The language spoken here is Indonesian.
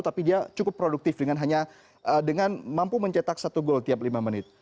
tapi dia cukup produktif dengan hanya dengan mampu mencetak satu gol tiap lima menit